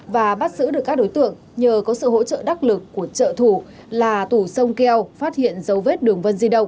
và bắt giữ được các đối tượng nhờ có sự hỗ trợ đắc lực của trợ thủ là tủ sông keo phát hiện dấu vết đường vân di động